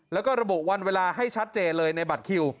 แล้วก็ระบุวันเวลาให้ชัดเจนเลยในบัตรคิว